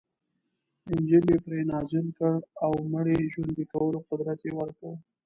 انجیل یې پرې نازل کړ او مړي ژوندي کولو قدرت یې ورکړ.